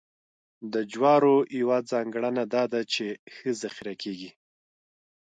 د جوارو یوه ځانګړنه دا ده چې ښه ذخیره کېږي.